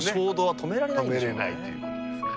止めれないっていうことですか。